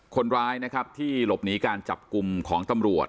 คนร้ายนะครับที่หลบหนีการจับกลุ่มของตำรวจ